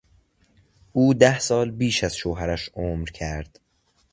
او ده سال بیش از شوهرش عمر کرد.